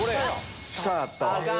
下あったわ。